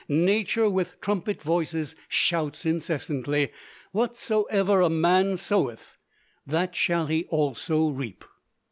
Nature with trumpet voices shouts incessantly, "Whatsoever a man soweth that shall he also reap."